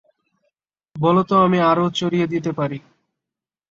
বল তো আমি আরও চড়িয়ে দিতে পারি।